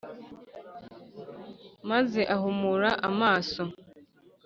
maze ahumura amaso.